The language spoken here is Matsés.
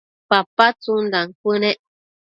papa tsundan cuënec